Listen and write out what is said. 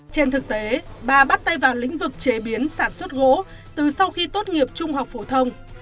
trên thực tế bà bắt tay vào lĩnh vực chế biến sản xuất gỗ từ sau khi tốt nghiệp trung học phổ thông